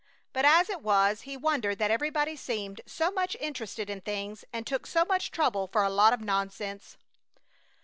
But as it was he wondered that everybody seemed so much interested in things and took so much trouble for a lot of nonsense.